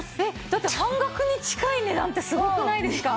だって半額に近い値段ってすごくないですか！